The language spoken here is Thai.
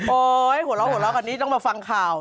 โอ๊ยหัวเราะอันนี้ต้องมาฟังข่าว